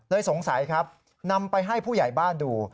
สงสัยครับนำไปให้ผู้ใหญ่บ้านดู